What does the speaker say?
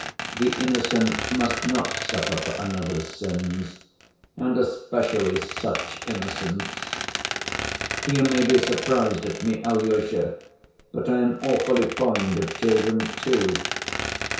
The innocent must not suffer for another's sins, and especially such innocents! You may be surprised at me, Alyosha, but I am awfully fond of children, too.